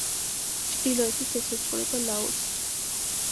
ჩრდილოეთით ესაზღვრება ლაოსი.